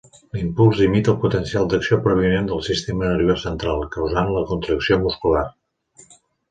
L'impuls imita el potencial d'acció provinent del sistema nerviós central, causant la contracció muscular.